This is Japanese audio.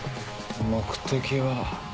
目的は。